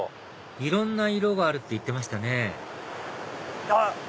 いろんな色があるって言ってましたねあっ！